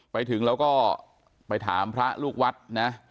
ไปถึงแล้วก็ไปถามพระลูกวัดนะ